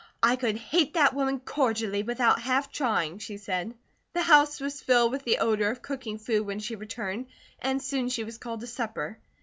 "I could hate that woman cordially without half trying," she said. The house was filled with the odour of cooking food when she returned and soon she was called to supper.